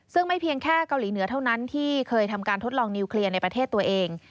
ซึ่งไม่เพียงแค่เกาหลีเหนือเท่านั้นที่เคยทำการทดลองนิวเคลียร์ในประเทศตัวเอง